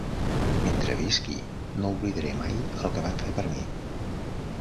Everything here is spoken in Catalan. Mentre visqui, no oblidaré mai el que van fer per mi.